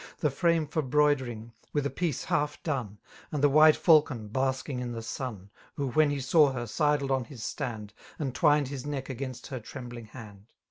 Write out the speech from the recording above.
The frame for bioidering, i;nth a piece half done^ And the white lUcon, basking in the sun, IVlio, whien he saw her, sidled on his stand. And twined his neck against her tremiding hand.